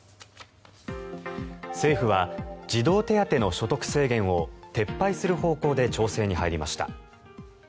政府は児童手当の所得制限を撤廃する方向で調整に入りました。